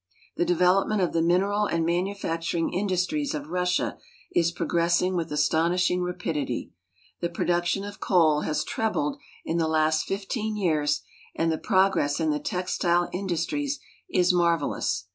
The development of the mineral and manufacturing industries of Russia is progressing with astonishijig rapidity. The production of coal has trebled in the last 15 years and the progress in the textile industries is marvelous.